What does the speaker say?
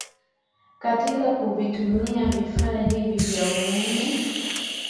katika kuvitumia vifaa hivi vya umeme